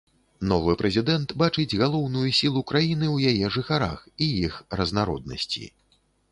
Новы прэзідэнт бачыць галоўную сілу краіны ў яе жыхарах і іх разнароднасці.